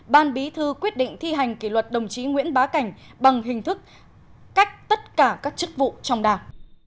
ban bí thư quyết định thi hành kỷ luật đồng chí nguyễn bá cảnh bằng hình thức cách tất cả các chức vụ trong đảng